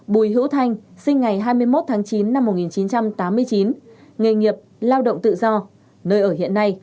bùi hữu thanh sinh ngày hai mươi một tháng chín năm một nghìn chín trăm tám mươi chín nghề nghiệp lao động tự do nơi ở hiện nay